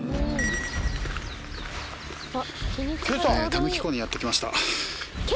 田貫湖にやって来ました。